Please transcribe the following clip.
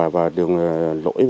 và đường lỗi